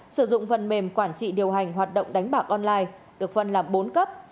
sử dụng phần mềm quản trị điều hành hoạt động đánh bạc online được phân làm bốn cấp